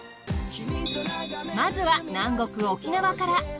まずは南国沖縄から。